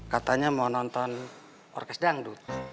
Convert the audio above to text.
katanya mau nonton orkes dangdut